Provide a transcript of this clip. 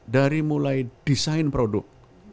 dari mulai desain produk